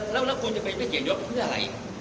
แล้วคุณจะไปเกี่ยวขึ้นเพื่ออะไร